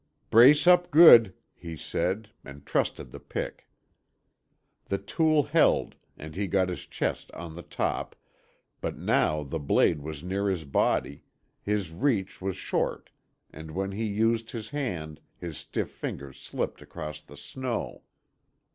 "Brace up good," he said and trusted the pick. The tool held and he got his chest on the top, but now the blade was near his body, his reach was short and when he used his hand his stiff fingers slipped across the snow.